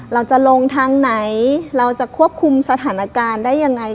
เราจะลงทางไหนเราจะควบคุมสถานการณ์ได้ยังไง